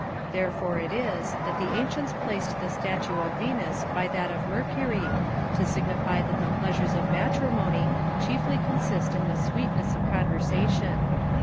Therefore it was that the ancients placed the statue of Venus by that of Mercury, to signify that the pleasures of matrimony chiefly consist in the sweetness of conversation.